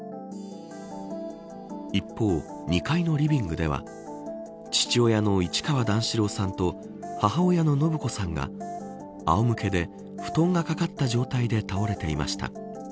一方、２階のリビングでは父親の市川段四郎さんと母親の延子さんがあお向けで布団がかかった状態で倒れていました。